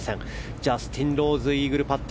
ジャスティン・ローズイーグルパット。